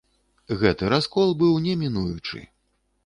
Гэты раскол быў немінучы.